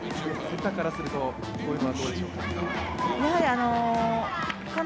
セッターからするとこういうのはどうでしょうか。